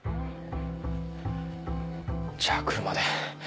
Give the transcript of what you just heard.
じゃあ車で。